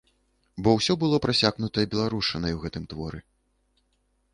Бо ўсё было прасякнутае беларушчынай у гэтым творы.